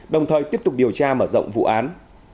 đồng thời tiếp tục điều tra mở rộng vụ án